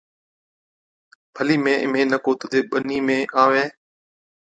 ’ڀلَي، مين اِمهين نڪو تُڌي ٻنِي ۾ آوَين